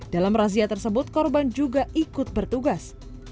dalam razia tersebut korban juga ikut bertugas